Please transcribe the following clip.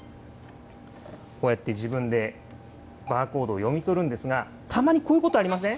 こうやって自分でバーコードを読み取るんですが、たまにこういうことありません？